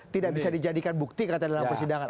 tidak bisa dijadikan bukti kata dalam persidangan